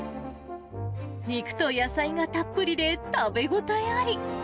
肉と野菜がたっぷりで、食べ応えあり。